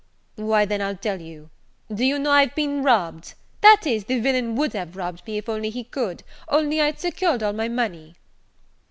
"Why then I'll tell you. Do you know I've been robbed! that is, the villain would have robbed me if he could, only I'd secured all my money."